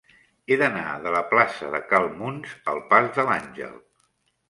He d'anar de la plaça de Cal Muns al pas de l'Àngel.